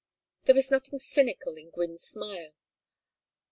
There was nothing cynical in Gwynne's smile.